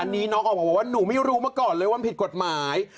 น้องบอกว่าหนูไม่รู้มาก่อนเลยว่าคือผิดกฏหมาย